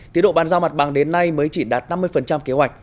tiến độ bàn giao mặt bằng đến nay mới chỉ đạt năm mươi kế hoạch